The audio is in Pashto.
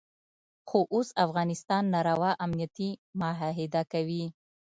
خو اوس افغانستان ناروا امنیتي معاهده کوي.